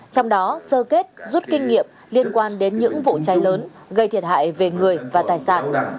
trong đó sơ kết rút kinh nghiệm liên quan đến những vụ cháy lớn gây thiệt hại về người và tài sản